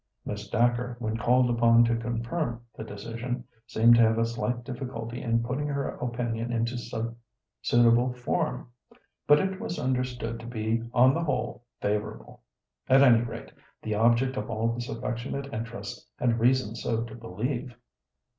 Miss Dacre, when called upon to confirm the decision, seemed to have a slight difficulty in putting her opinion into suitable form, but it was understood to be on the whole favourable. At any rate, the object of all this affectionate interest had reason so to believe.